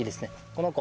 この子。